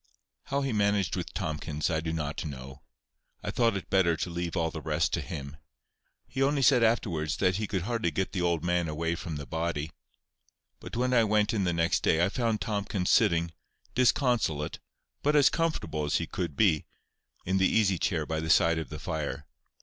How he managed with Tomkins I do not know. I thought it better to leave all the rest to him. He only said afterwards, that he could hardly get the old man away from the body. But when I went in next day, I found Tomkins sitting, disconsolate, but as comfortable as he could be, in the easy chair by the side of the fire.